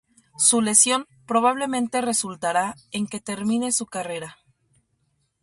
Su lesión probablemente resultará en que termine su carrera.